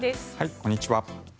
こんにちは。